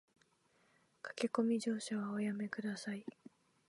駆け込み乗車はおやめ下さい